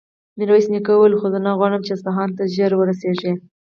ميرويس نيکه وويل: خو زه نه غواړم چې اصفهان ته ژر ورسېږي.